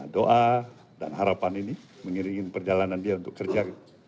doa dan harapan ini mengiringi perjalanan dia untuk kerja